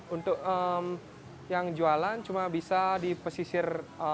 untuk yang jualan cuma bisa di pesisir